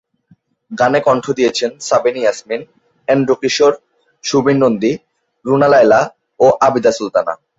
গানে কণ্ঠ দিয়েছেন সাবিনা ইয়াসমিন, এন্ড্রু কিশোর, সুবীর নন্দী, রুনা লায়লা, ও আবিদা সুলতানা।